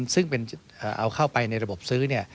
ซึ่งเป็นเอาเข้าไปในระบบซื้อ